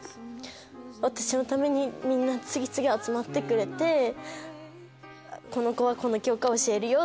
私のためにみんな次々集まってくれて「この子はこの教科教えるよ」。